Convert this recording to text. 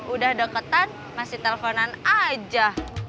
udah deketan masih telponan aja